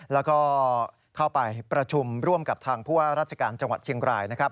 แล้วก็เข้าไปประชุมร่วมกับทางผู้ว่าราชการจังหวัดเชียงรายนะครับ